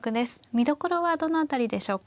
見どころはどの辺りでしょうか。